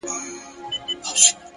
مثبت فکر د اندېښنو زور کموي’